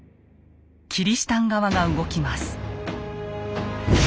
キリシタン側が動きます。